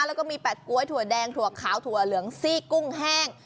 แล้วก็มีแปะก๊วยถั่วแดงถั่วขาวถั่วเหลืองซี่กุ้งแห้ง